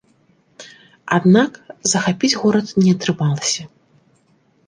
Аднак захапіць горад не атрымалася.